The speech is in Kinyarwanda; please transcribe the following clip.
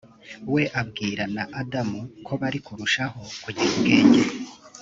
we abwira na adamu ko bari kurushaho kugira ubwenge